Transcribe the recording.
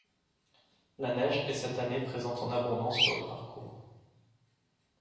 La neige est cette année présente en abondance sur le parcours.